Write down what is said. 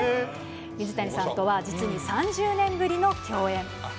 水谷さんとは、実に３０年ぶりの共演。